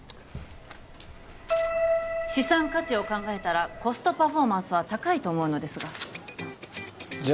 資産価値を考えたらコストパフォーマンスは高いと思うのですがじゃ